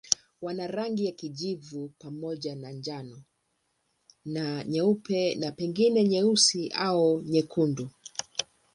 Wana rangi ya kijivu pamoja na njano na nyeupe na pengine nyeusi au nyekundu.